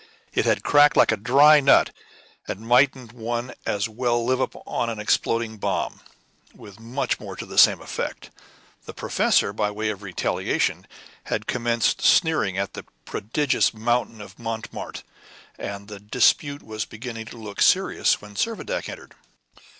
It had cracked like a dry nut; and mightn't one as well live upon an exploding bomb? with much more to the same effect. The professor, by way of retaliation, had commenced sneering at the "prodigious" mountain of Montmartre, and the dispute was beginning to look serious when Servadac entered.